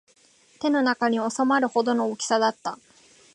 手の中に収まるほどの大きさだった